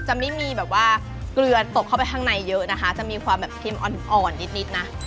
จะไม่มีแบบว่าเกลือตกเข้าไปข้างในเยอะนะคะจะมีความแบบเค็มอ่อนนิดนะ